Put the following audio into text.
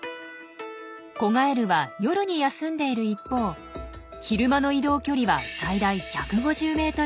子ガエルは夜に休んでいる一方昼間の移動距離は最大１５０ｍ以上。